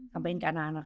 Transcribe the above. sampaikan ke anak anak